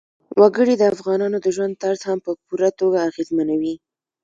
وګړي د افغانانو د ژوند طرز هم په پوره توګه اغېزمنوي.